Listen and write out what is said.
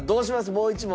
もう１問。